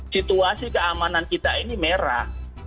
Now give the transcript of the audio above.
situasi keamanan kita ini merah